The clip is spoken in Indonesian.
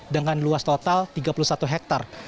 dengan luas total tiga puluh satu hektare